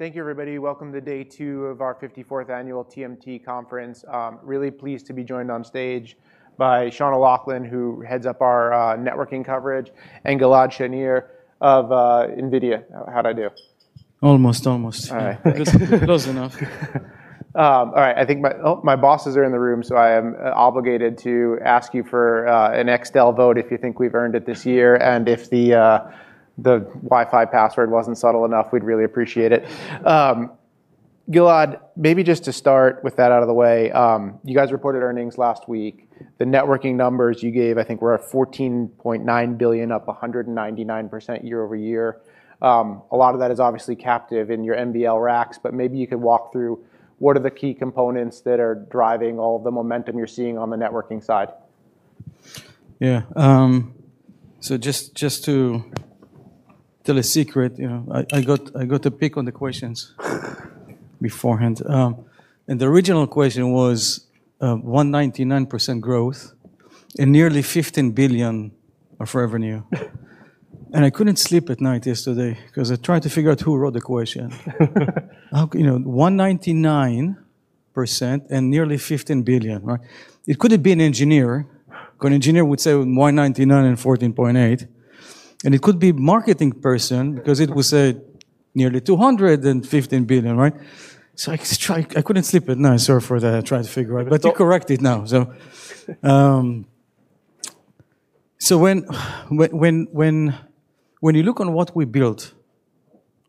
Thank you, everybody. Welcome to day two of our 54th annual TMT Conference. Really pleased to be joined on stage by Sean O'Loughlin, who heads up our networking coverage, and Gilad Shainer of NVIDIA. How'd I do? Almost. All right. Close enough. All right. My bosses are in the room, so I am obligated to ask you for an II vote if you think we've earned it this year, and if the Wi-Fi password wasn't subtle enough, we'd really appreciate it. Gilad, maybe just to start with that out of the way, you guys reported earnings last week. The networking numbers you gave, I think, were a $14.9 billion, up 199% year-over-year. A lot of that is obviously captive in your NVL racks, maybe you could walk through what are the key components that are driving all the momentum you're seeing on the networking side? Yeah. Just to tell a secret, I got a pick on the questions beforehand. The original question was, 199% growth and nearly $15 billion of revenue. I couldn't sleep at night yesterday because I tried to figure out who wrote the question. 199% and nearly $15 billion, right. It could have been an engineer, because an engineer would say 199 and 14.8. It could be marketing person, because it was nearly $15 billion, right. I couldn't sleep at night, sorry for that. I tried to figure out. You correct it now. When you look on what we built,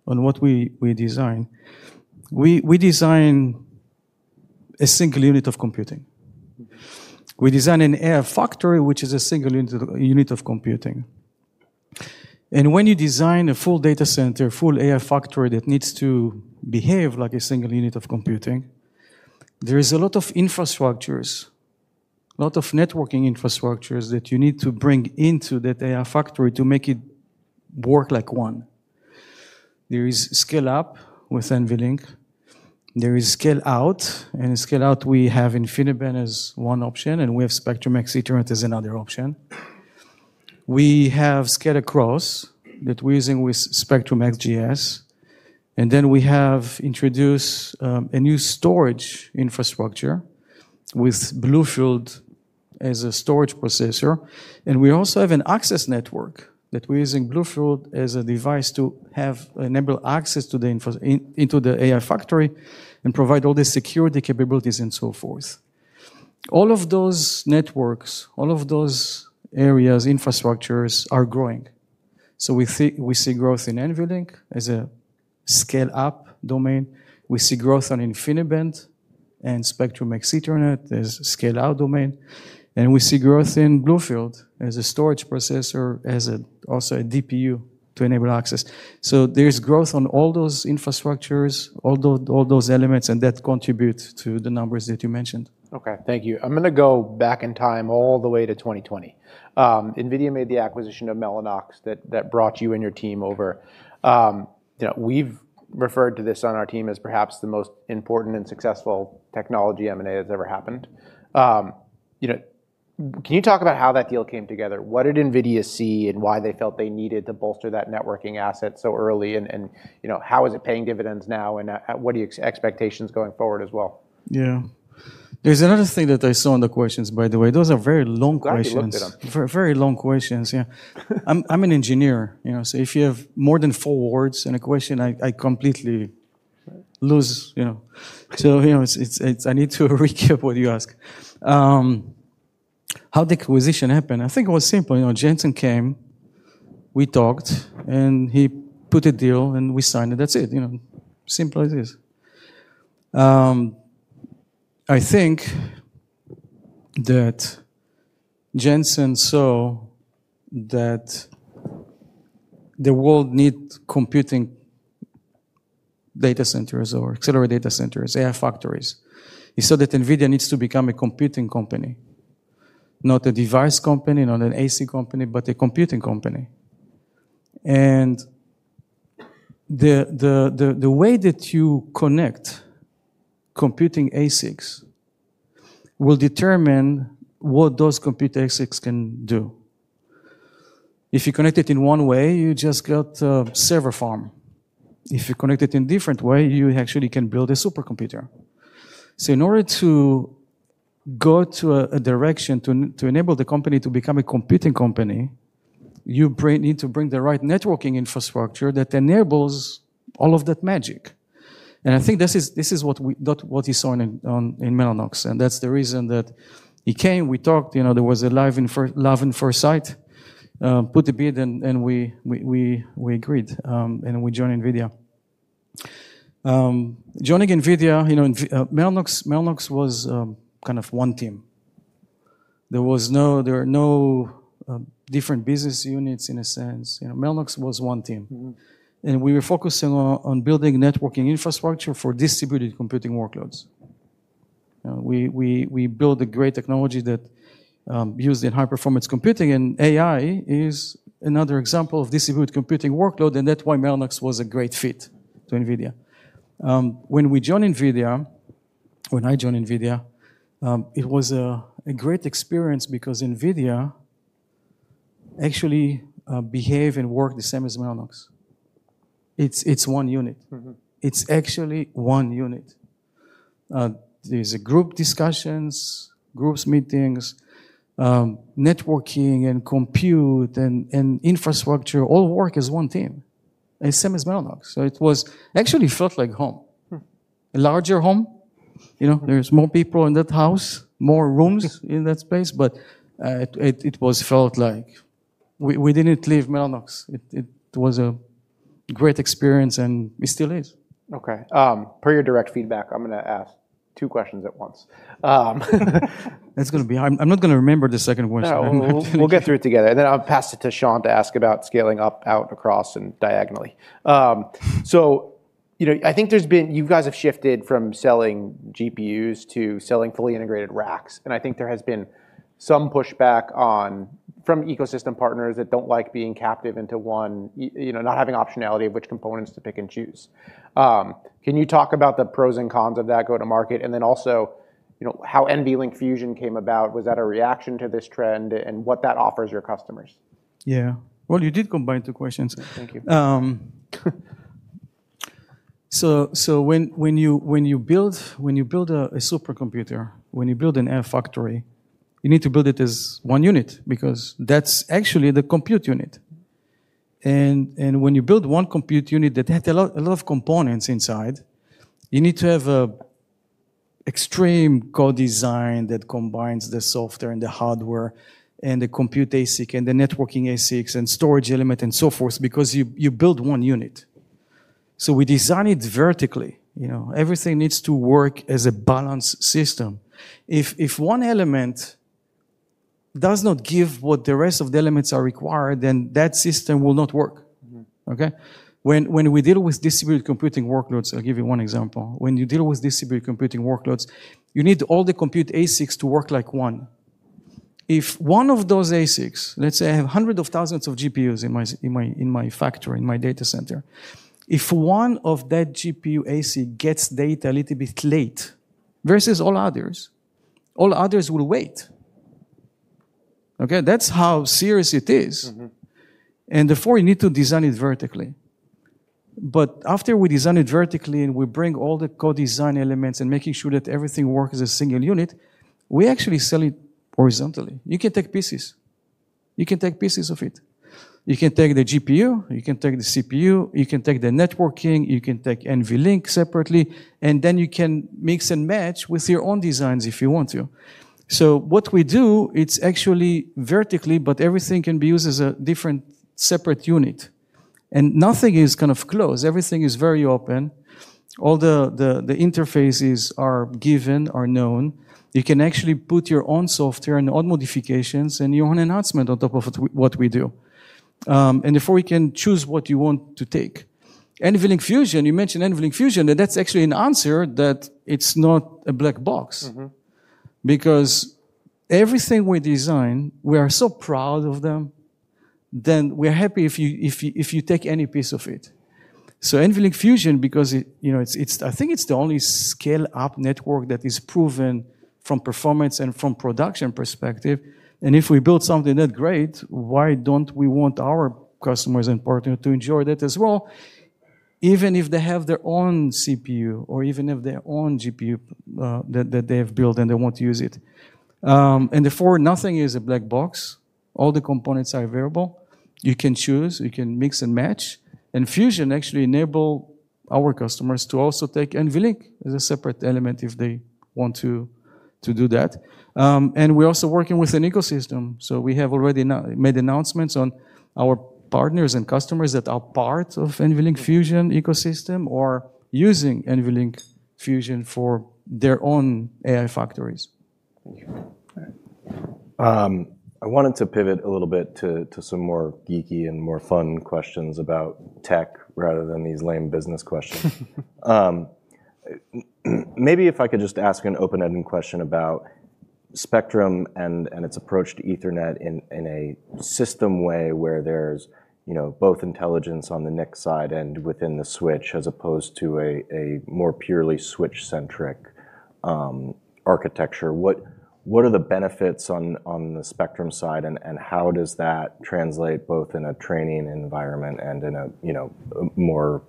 on what we design, we design a single unit of computing. We design an AI factory, which is a single unit of computing. When you design a full data center, full AI factory that needs to behave like a single unit of computing, there is a lot of infrastructures, a lot of networking infrastructures that you need to bring into that AI factory to make it work like one. There is scale up with NVLink. There is scale out, and scale out we have InfiniBand as one option, and we have Spectrum-X Ethernet as another option. We have scale across that we're using with uncertain Then we have introduced a new storage infrastructure with BlueField as a storage processor, and we also have an access network that we're using BlueField as a device to enable access into the AI factory and provide all the security capabilities and so forth. All of those networks, all of those areas, infrastructures are growing. We see growth in NVLink as a scale-up domain. We see growth on InfiniBand and Spectrum-X Ethernet as scale-out domain. We see growth in BlueField as a storage processor, as also a DPU to enable access. There is growth on all those infrastructures, all those elements, and that contributes to the numbers that you mentioned. Okay, thank you. I'm going to go back in time all the way to 2020. NVIDIA made the acquisition of Mellanox that brought you and your team over. We've referred to this on our team as perhaps the most important and successful technology M&A that's ever happened. Can you talk about how that deal came together? What did NVIDIA see and why they felt they needed to bolster that networking asset so early, and how is it paying dividends now, and what are your expectations going forward as well? Yeah. There's another thing that I saw in the questions, by the way. Those are very long questions. Gilad you looked at them. Very long questions, yeah. I'm an engineer, so if you have more than four words in a question, I need to recap what you ask. How the acquisition happened, I think it was simple. Jensen came, we talked, and he put a deal and we signed it. That's it. Simple as is. I think that Jensen saw that the world need computing data centers or accelerated data centers, AI factories. He saw that NVIDIA needs to become a computing company, not a device company, not an ASIC company, but a computing company. The way that you connect computing ASICs will determine what those compute ASICs can do. If you connect it in one way, you just got a server farm. If you connect it in different way, you actually can build a supercomputer. In order to go to a direction to enable the company to become a computing company, you need to bring the right networking infrastructure that enables all of that magic. I think this is what he saw in Mellanox, and that's the reason that he came, we talked, there was a love in first sight, put a bid and we agreed, and we join NVIDIA. Joining NVIDIA, Mellanox was kind of one team. There are no different business units in a sense. Mellanox was one team. We were focusing on building networking infrastructure for distributed computing workloads. We built a great technology that used in high-performance computing, AI is another example of distributed computing workload, that's why Mellanox was a great fit to NVIDIA. When we joined NVIDIA, when I joined NVIDIA, it was a great experience because NVIDIA actually behave and work the same as Mellanox. It's one unit. It's actually one unit. There's group discussions, groups meetings, networking, and compute, and infrastructure all work as one team, the same as Mellanox. It actually felt like home. A larger home. There's more people in that house, more rooms in that space. It felt like we didn't leave Mellanox. It was a great experience, and it still is. Okay. Per your direct feedback, I'm going to ask two questions at once. That's going to be hard. I'm not going to remember the second question. No, we'll get through it together, and then I'll pass it to Sean to ask about scaling up, out, across, and diagonally. I think you guys have shifted from selling GPUs to selling fully integrated racks, and I think there has been some pushback from ecosystem partners that don't like being captive into one, not having optionality of which components to pick and choose. Can you talk about the pros and cons of that go-to-market, and then also, how NVLink Fusion came about? Was that a reaction to this trend, and what that offers your customers? Yeah. Well, you did combine two questions. Thank you. When you build a supercomputer, when you build an AI factory, you need to build it as one unit, because that's actually the compute unit. When you build one compute unit that has a lot of components inside, you need to have an extreme co-design that combines the software and the hardware and the compute ASIC and the networking ASICs and storage element and so forth, because you build one unit. We design it vertically. Everything needs to work as a balanced system. If one element does not give what the rest of the elements are required, then that system will not work. Okay. When we deal with distributed computing workloads, I'll give you one example. When you deal with distributed computing workloads, you need all the compute ASICs to work like one. If one of those ASICs, let's say I have hundreds of thousands of GPUs in my factory, in my data center. If one of that GPU ASIC gets data a little bit late versus all others, all others will wait. Okay. That's how serious it is. Therefore, you need to design it vertically. After we design it vertically, and we bring all the co-design elements and making sure that everything works as a single unit, we actually sell it horizontally. You can take pieces. You can take pieces of it. You can take the GPU, you can take the CPU, you can take the networking, you can take NVLink separately, and then you can mix and match with your own designs if you want to. What we do, it's actually vertically, but everything can be used as a different separate unit. Nothing is closed. Everything is very open. All the interfaces are given, are known. You can actually put your own software and own modifications and your own enhancement on top of what we do. Therefore, you can choose what you want to take. NVLink Fusion, you mentioned NVLink Fusion, and that's actually an answer that it's not a black box. Everything we design, we are so proud of them, then we are happy if you take any piece of it. NVLink Fusion, because I think it's the only scale-up network that is proven from performance and from production perspective. If we build something that great, why don't we want our customers and partners to enjoy that as well, even if they have their own CPU or even if their own GPU, that they have built, and they want to use it. Therefore, nothing is a black box. All the components are variable. You can choose, you can mix and match. Fusion actually enable our customers to also take NVLink as a separate element if they want to do that. We're also working with an ecosystem, so we have already made announcements on our partners and customers that are part of NVLink Fusion ecosystem or using NVLink Fusion for their own AI factories. Thank you. All right. I wanted to pivot a little bit to some more geeky and more fun questions about tech rather than these lame business questions. Maybe if I could just ask an open-ended question about Spectrum-X and its approach to Ethernet in a system way where there's both intelligence on the NIC side and within the switch as opposed to a more purely switch-centric architecture. What are the benefits on the Spectrum-X side, and how does that translate both in a training environment and in a more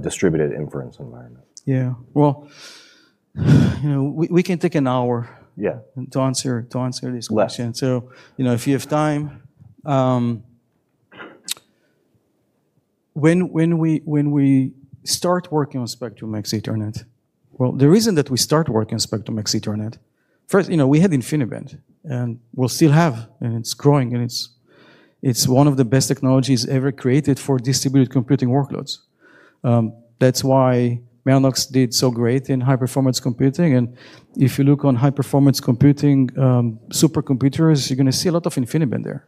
distributed inference environment? Yeah. Well, we can take an hour- Yeah to answer this question. Less. If you have time. When we start working on Spectrum-X Ethernet, well, the reason that we start working on Spectrum-X Ethernet, first, we had InfiniBand, and we’ll still have, and it’s growing, and it’s one of the best technologies ever created for distributed computing workloads. That’s why Mellanox did so great in high-performance computing, and if you look on high-performance computing supercomputers, you’re going to see a lot of InfiniBand there.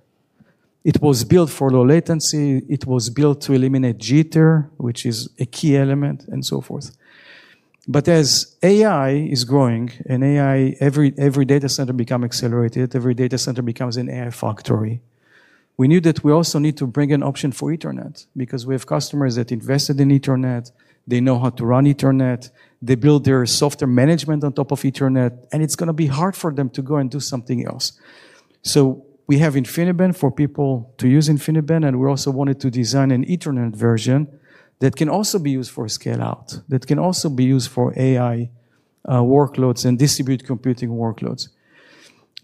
It was built for low latency. It was built to eliminate jitter, which is a key element, and so forth. As AI is growing and AI, every data center become accelerated, every data center becomes an AI factory. We knew that we also need to bring an option for Ethernet because we have customers that invested in Ethernet. They know how to run Ethernet. They build their software management on top of Ethernet, and it's going to be hard for them to go and do something else. We have InfiniBand for people to use InfiniBand, and we also wanted to design an Ethernet version that can also be used for scale-out, that can also be used for AI workloads and distributed computing workloads.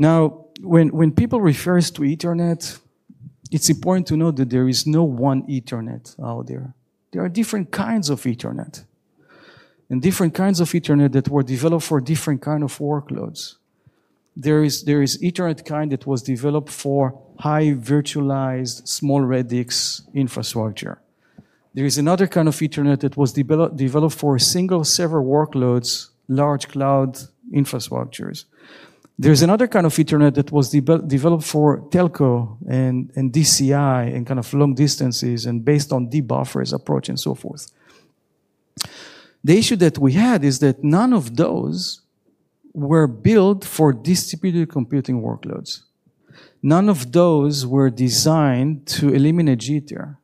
When people refers to Ethernet, it's important to note that there is no one Ethernet out there. There are different kinds of Ethernet, and different kinds of Ethernet that were developed for different kind of workloads. There is Ethernet kind that was developed for high virtualized small radix infrastructure. There is another kind of Ethernet that was developed for single server workloads, large cloud infrastructures. There is another kind of Ethernet that was developed for telco and DCI and kind of long distances and based on deep buffers approach and so forth. The issue that we had is that none of those were built for distributed computing workloads. None of those were designed to eliminate jitter.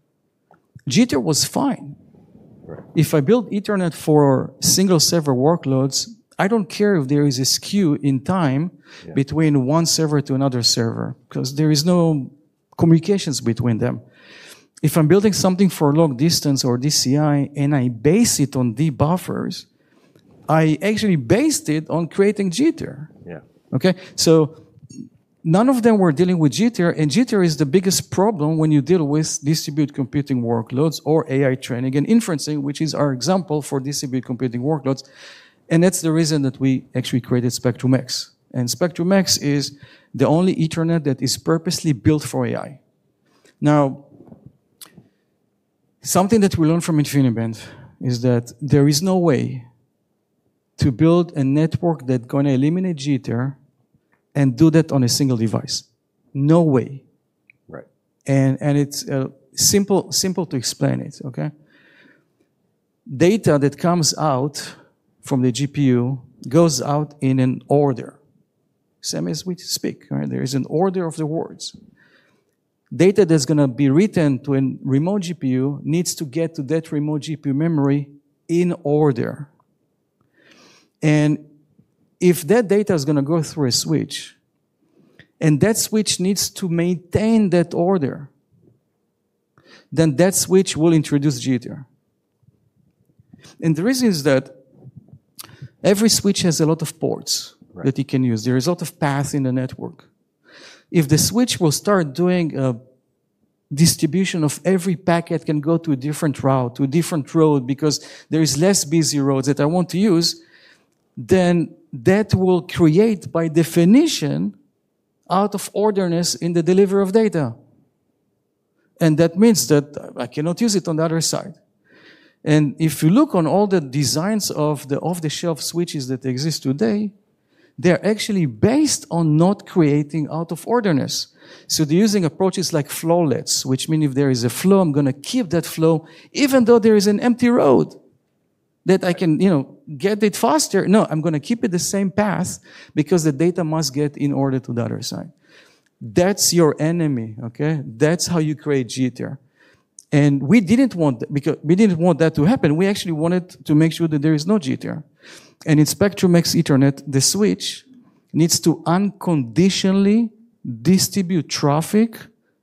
Jitter was fine. Right. If I build Ethernet for single server workloads, I don't care if there is a skew in time. Yeah between one server to another server, because there is no communications between them. If I'm building something for long distance or DCI, and I base it on deep buffers, I actually based it on creating jitter. Yeah. Okay? None of them were dealing with jitter, and jitter is the biggest problem when you deal with distributed computing workloads or AI training and inferencing, which is our example for distributed computing workloads, and that's the reason that we actually created Spectrum-X. Spectrum-X is the only Ethernet that is purposely built for AI. Something that we learned from InfiniBand is that there is no way to build a network that's going to eliminate jitter and do that on a single device. No way. Right. It's simple to explain it, okay? Data that comes out from the GPU goes out in an order. Same as we speak. There is an order of the words. Data that's going to be written to a remote GPU needs to get to that remote GPU memory in order. If that data is going to go through a switch, and that switch needs to maintain that order, then that switch will introduce jitter. The reason is that every switch has a lot of ports. Right that you can use. There is a lot of path in the network. If the switch will start doing a distribution of every packet can go to a different route, to a different road, because there is less busy roads that I want to use, then that will create, by definition, out of orderness in the delivery of data. That means that I cannot use it on the other side. If you look on all the designs of the off-the-shelf switches that exist today, they're actually based on not creating out of orderness. They're using approaches like flowlets, which mean if there is a flow, I'm going to keep that flow, even though there is an empty road that I can get it faster. No, I'm going to keep it the same path because the data must get in order to the other side. That's your enemy, okay? That's how you create jitter. We didn't want that to happen. We actually wanted to make sure that there is no jitter. In Spectrum-X Ethernet, the switch needs to unconditionally distribute traffic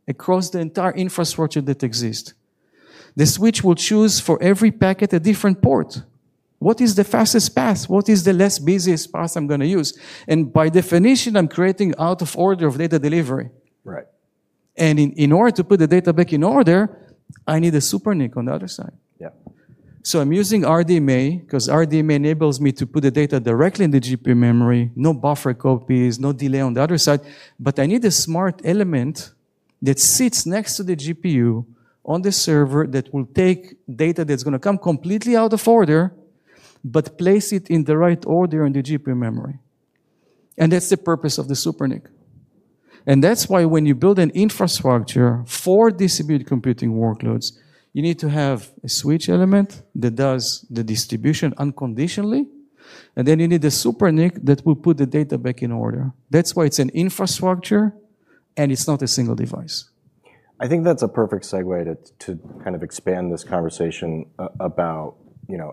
across the entire infrastructure that exists. The switch will choose, for every packet, a different port. What is the fastest path? What is the least busiest path I'm going to use? By definition, I'm creating out of order of data delivery. Right. In order to put the data back in order, I need a SuperNIC on the other side. Yeah. I'm using RDMA, because RDMA enables me to put the data directly in the GPU memory, no buffer copies, no delay on the other side, but I need a smart element that sits next to the GPU on the server that will take data that's going to come completely out of order, but place it in the right order in the GPU memory. That's the purpose of the SuperNIC. That's why when you build an infrastructure for distributed computing workloads, you need to have a switch element that does the distribution unconditionally, and then you need a SuperNIC that will put the data back in order. That's why it's an infrastructure, and it's not a single device. I think that's a perfect segue to kind of expand this conversation about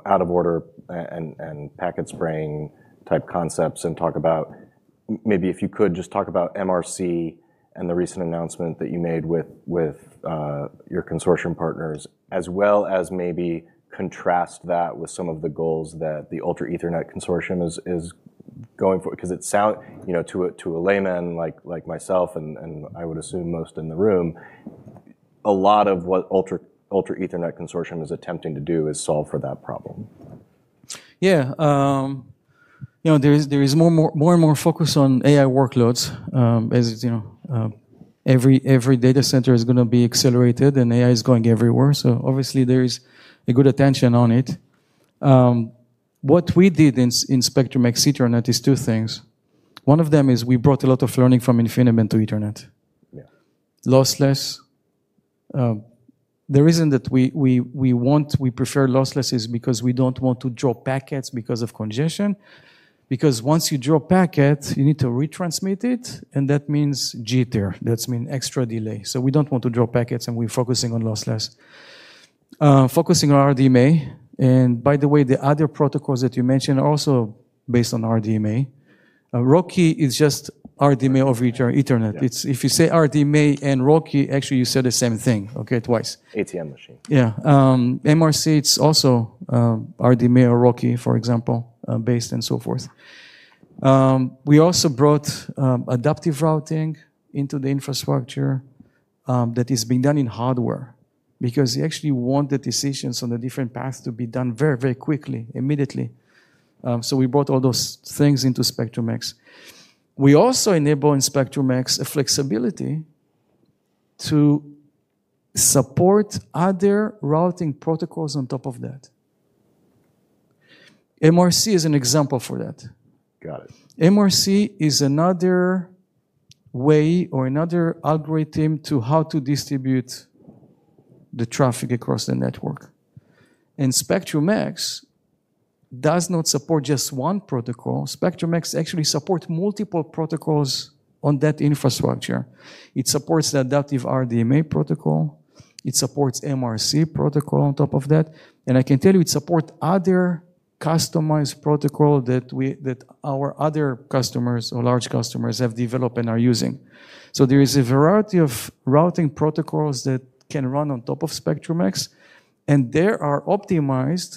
out of order and packet spraying type concepts and talk about, maybe if you could, just talk about uncertain and the recent announcement that you made with your consortium partners, as well as maybe contrast that with some of the goals that the Ultra Ethernet Consortium is going for. Because it sound, to a layman like myself and I would assume most in the room, a lot of what Ultra Ethernet Consortium is attempting to do is solve for that problem. Yeah. There is more and more focus on AI workloads. Every data center is going to be accelerated, and AI is going everywhere. Obviously, there is a good attention on it. What we did in Spectrum-X Ethernet is two things. One of them is we brought a lot of learning from InfiniBand to Ethernet. Yeah. Lossless. The reason that we prefer lossless is because we don't want to drop packets because of congestion. Once you drop packets, you need to retransmit it, and that means jitter. That means extra delay. We don't want to drop packets, and we're focusing on lossless. Focusing on RDMA. By the way, the other protocols that you mentioned are also based on RDMA. RoCE is just RDMA over Ethernet. Yeah. If you say RDMA and RoCE, actually, you said the same thing, okay, twice. ATM machine. Yeah. MRC, it's also RDMA or RoCE, for example, based and so forth. We also brought adaptive routing into the infrastructure that is being done in hardware, because you actually want the decisions on the different paths to be done very quickly, immediately. We brought all those things into Spectrum-X. We also enable in Spectrum-X a flexibility to support other routing protocols on top of that. MRC is an example for that. Got it. MRC is another way or another algorithm to how to distribute the traffic across the network. Spectrum-X does not support just one protocol. Spectrum-X actually supports multiple protocols on that infrastructure. It supports the adaptive RDMA protocol. It supports MRC protocol on top of that. I can tell you, it supports other customized protocol that our other customers or large customers have developed and are using. There is a variety of routing protocols that can run on top of Spectrum-X, and they are optimized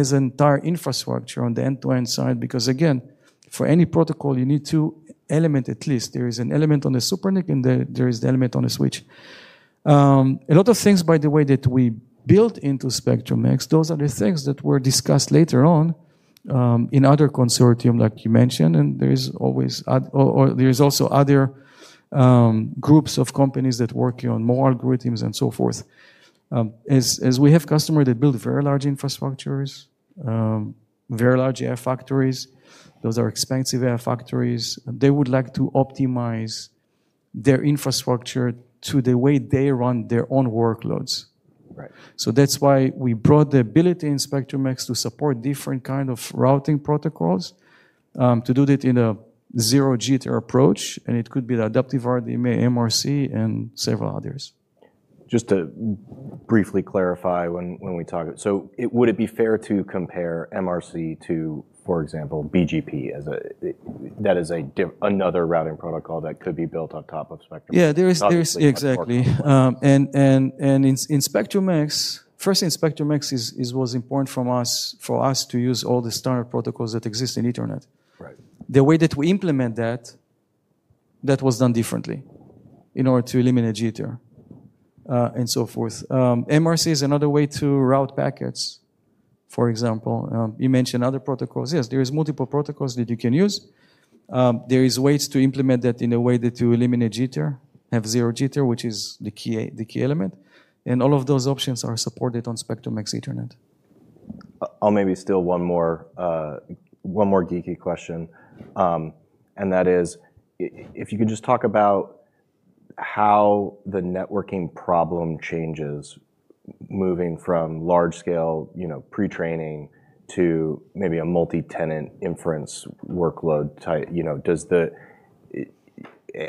as entire infrastructure on the end-to-end side, because again, for any protocol, you need two element at least. There is an element on the SuperNIC and there is the element on the switch. A lot of things, by the way, that we built into Spectrum-X, those are the things that were discussed later on in other consortium, like you mentioned, and there is also other groups of companies that working on more algorithms and so forth. As we have customer that build very large infrastructures, very large AI factories, those are expensive AI factories. They would like to optimize their infrastructure to the way they run their own workloads. Right. That's why we brought the ability in Spectrum-X to support different kind of routing protocols, to do that in a zero jitter approach, and it could be the adaptive RDMA, MRC, and several others. Just to briefly clarify when we talk. Would it be fair to compare MRC to, for example, BGP as that is another routing protocol that could be built on top of Spectrum-X? Yeah obviously has more components. Exactly. First in Spectrum-X was important for us to use all the standard protocols that exist in Ethernet. Right. The way that we implement that was done differently in order to eliminate jitter, and so forth. MRC is another way to route packets, for example. You mentioned other protocols. Yes, there is multiple protocols that you can use. There is ways to implement that in a way that you eliminate jitter, have zero jitter, which is the key element, and all of those options are supported on Spectrum-X Ethernet. I'll maybe still one more geeky question. That is, if you could just talk about how the networking problem changes moving from large scale pre-training to maybe a multi-tenant inference workload type.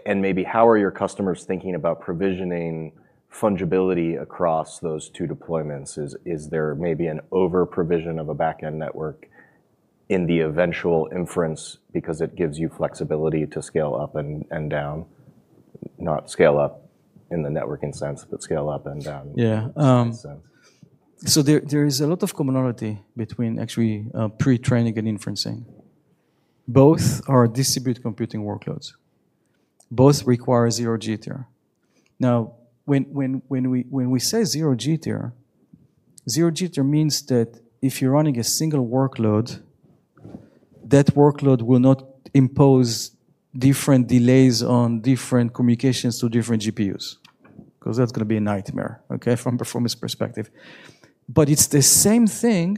Maybe how are your customers thinking about provisioning fungibility across those two deployments? Is there maybe an overprovision of a back-end network in the eventual inference because it gives you flexibility to scale up and down, not scale up in the networking sense, but scale up and down. Yeah in a sense. There is a lot of commonality between actually pre-training and inferencing. Both are distributed computing workloads. Both require zero jitter. Now, when we say zero jitter, zero jitter means that if you're running a single workload, that workload will not impose different delays on different communications to different GPUs, because that's going to be a nightmare, okay. From performance perspective. It's the same thing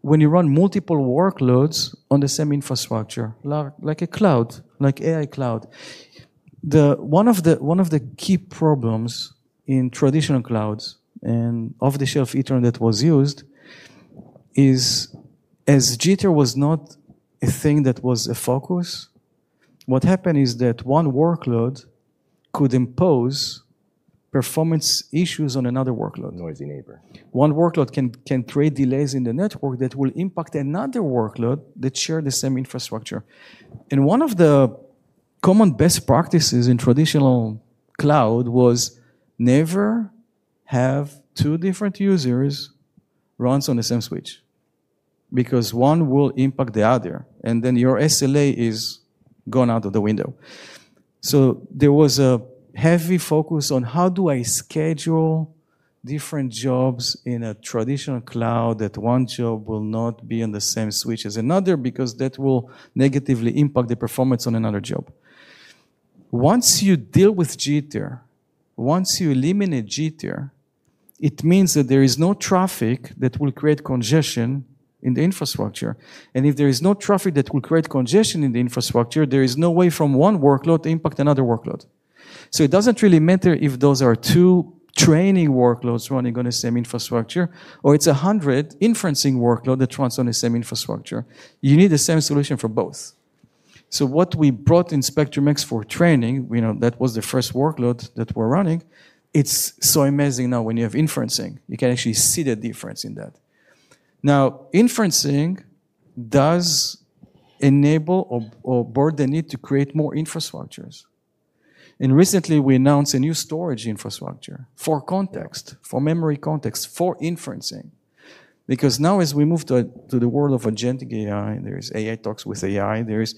when you run multiple workloads on the same infrastructure, like a cloud, like AI cloud. One of the key problems in traditional clouds and off-the-shelf Ethernet was used is, as jitter was not a thing that was a focus, what happened is that one workload could impose performance issues on another workload. Noisy neighbor. One workload can create delays in the network that will impact another workload that share the same infrastructure. One of the common best practices in traditional cloud was never have two different users runs on the same switch, because one will impact the other, and then your SLA is gone out of the window. There was a heavy focus on how do I schedule different jobs in a traditional cloud that one job will not be on the same switch as another, because that will negatively impact the performance on another job. Once you deal with jitter, once you eliminate jitter, it means that there is no traffic that will create congestion in the infrastructure, if there is no traffic that will create congestion in the infrastructure, there is no way from one workload to impact another workload. It doesn't really matter if those are two training workloads running on the same infrastructure or it's 100 inferencing workload that runs on the same infrastructure. You need the same solution for both. What we brought in Spectrum-X for training, that was the first workload that we're running. It's so amazing now when you have inferencing, you can actually see the difference in that. Now, inferencing does enable or board the need to create more infrastructures. Recently, we announced a new storage infrastructure for context, for memory context, for inferencing. Now as we move to the world of agentic AI, there is AI talks with AI, there is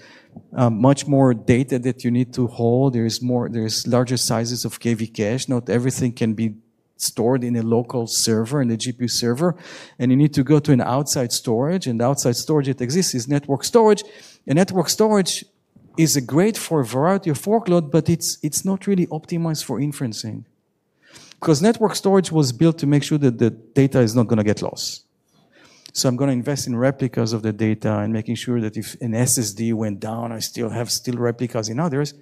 much more data that you need to hold. There is larger sizes of KV cache. Not everything can be stored in a local server, in a GPU server. You need to go to an outside storage, and the outside storage that exists is network storage. Network storage is great for a variety of workload, but it's not really optimized for inferencing. Network storage was built to make sure that the data is not going to get lost. I'm going to invest in replicas of the data and making sure that if an SSD went down, I still have replicas in others.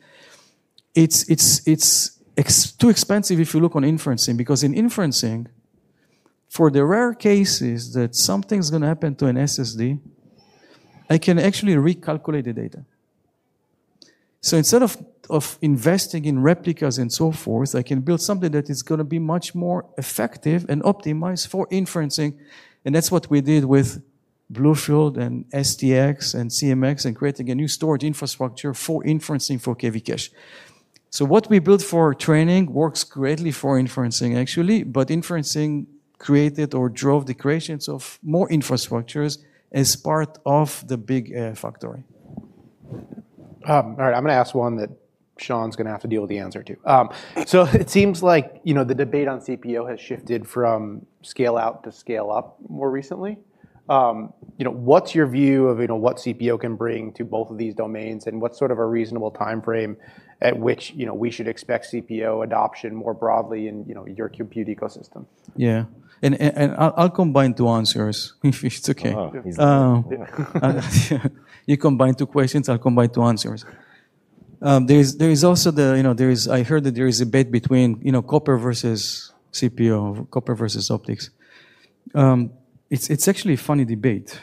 It's too expensive if you look on inferencing, because in inferencing, for the rare cases that something's going to happen to an SSD, I can actually recalculate the data. Instead of investing in replicas and so forth, I can build something that is going to be much more effective and optimized for inferencing, and that's what we did with BlueField and uncertain and creating a new storage infrastructure for inferencing for KV cache. What we built for training works greatly for inferencing, actually. Inferencing created or drove the creations of more infrastructures as part of the big AI factory. All right. I'm going to ask one that Sean's going to have to deal with the answer to. It seems like the debate on CPO has shifted from scale-out to scale-up more recently. What's your view of what CPO can bring to both of these domains, and what's sort of a reasonable timeframe at which we should expect CPO adoption more broadly in your compute ecosystem? Yeah. I'll combine two answers, if it's okay. Wow. He's good. You combined two questions, I'll combine two answers. I heard that there is a debate between copper versus CPO, copper versus optics. It's actually a funny debate.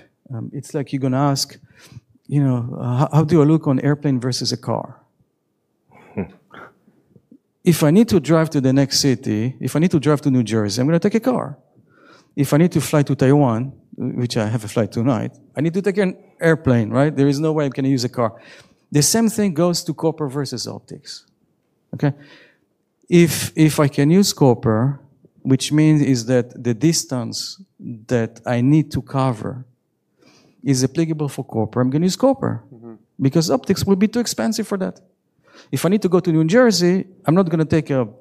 It's like you're going to ask, how do I look on airplane versus a car? If I need to drive to the next city, if I need to drive to New Jersey, I'm going to take a car. If I need to fly to Taiwan, which I have a flight tonight, I need to take an airplane, right? There is no way I can use a car. The same thing goes to copper versus optics. Okay? If I can use copper, which means is that the distance that I need to cover is applicable for copper, I'm going to use copper. Because optics will be too expensive for that. If I need to go to New Jersey, I'm not going to take an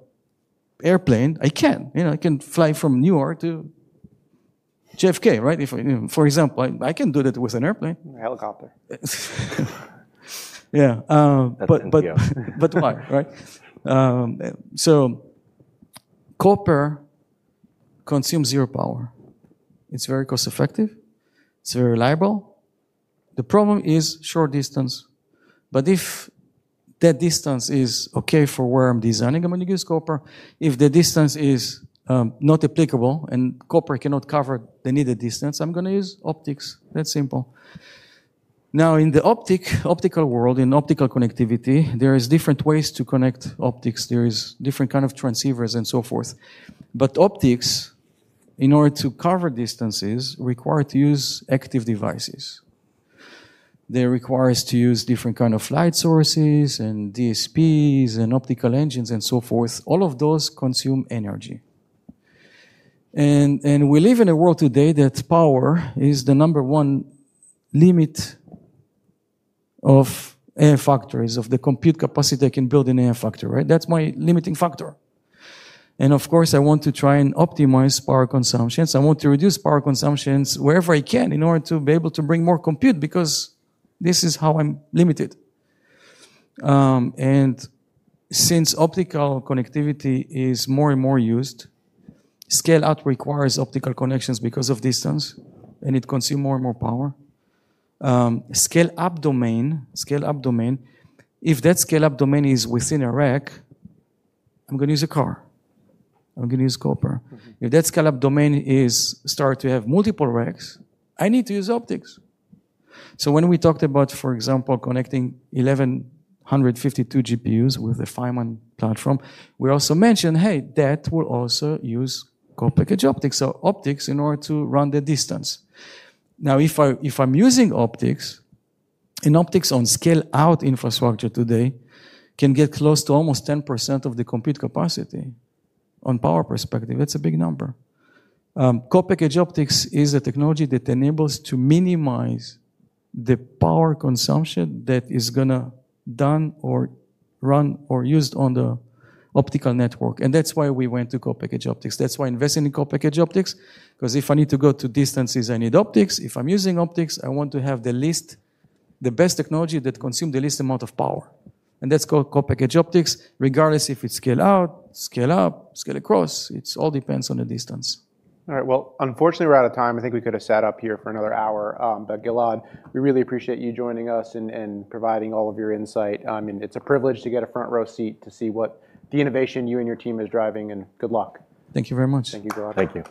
airplane. I can. I can fly from Newark to JFK. For example, I can do that with an airplane. A helicopter. Yeah. That's a CPO. Why, right? Copper consumes zero power. It's very cost-effective. It's very reliable. The problem is short distance. If that distance is okay for where I'm designing, I'm going to use copper. If the distance is not applicable and copper cannot cover the needed distance, I'm going to use optics. That simple. Now, in the optical world, in optical connectivity, there is different ways to connect optics. There is different kind of transceivers and so forth. Optics, in order to cover distances, require to use active devices. They require us to use different kind of light sources and DSPs and optical engines and so forth. All of those consume energy. We live in a world today that power is the number one limit of AI factories, of the compute capacity I can build in AI factory, right? That's my limiting factor. Of course, I want to try and optimize power consumption, I want to reduce power consumption wherever I can in order to be able to bring more compute, because this is how I'm limited. Since optical connectivity is more and more used, scale-out requires optical connections because of distance, and it consumes more and more power. Scale-up domain, if that scale-up domain is within a rack, I'm going to use copper. If that scale-up domain start to have multiple racks, I need to use optics. When we talked about, for example, connecting 1,152 GPUs with the uncertain we also mentioned, hey, that will also use co-packaged optics or optics in order to run the distance. If I'm using optics, and optics on scale-out infrastructure today can get close to almost 10% of the compute capacity on power perspective, that's a big number. Co-packaged optics is a technology that enables to minimize the power consumption that is going to done or run or used on the optical network. That's why we went to co-packaged optics. That's why investing in co-packaged optics, because if I need to go to distances, I need optics. If I'm using optics, I want to have the best technology that consume the least amount of power. That's called co-packaged optics, regardless if it's scale-out, scale-up, scale-across, it's all depends on the distance. All right. Well, unfortunately, we're out of time. I think we could've sat up here for another hour. Gilad, we really appreciate you joining us and providing all of your insight. It's a privilege to get a front row seat to see what the innovation you and your team is driving, and good luck. Thank you very much. Thank you, Gilad. Thank you.